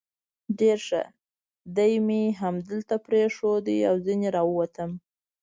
ډېر ښه، دی مې همدلته پرېښود او ځنې را ووتم.